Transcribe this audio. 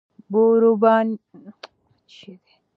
بوروبونیانو د هسپانیا تاج و تخت ترلاسه کړ.